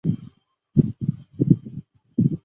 她也因贝克德尔测验而闻名于世。